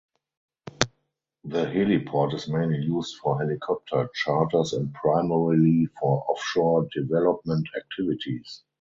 The heliport is mainly used for helicopter charters and primarily for offshore development activities.